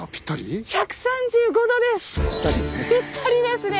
ぴったりですね！